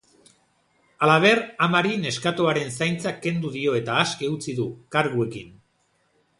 Halaber, amari neskatoaren zaintza kendu dio eta aske utzi du, karguekin.